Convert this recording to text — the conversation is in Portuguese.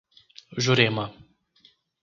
Jurema